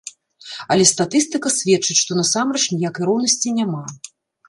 Але статыстыка сведчыць, што насамрэч ніякай роўнасці няма.